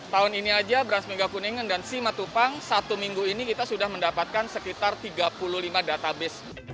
tahun ini aja brand mega kuningan dan simatupang satu minggu ini kita sudah mendapatkan sekitar tiga puluh lima database